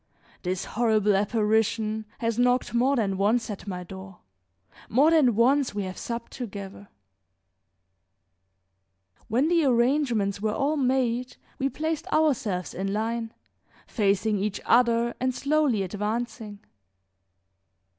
this horrible apparition has knocked more than once at my door; more than once we have supped together. When the arrangements were all made we placed ourselves in line, facing each other and slowly advancing.